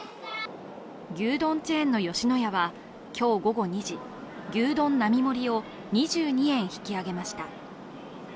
牛丼チェーンの吉野家は今日午後２時、牛丼・並盛を２２円引き上げました。